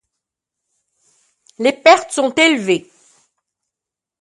Les pertes sont élevées.